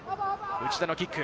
内田のキック。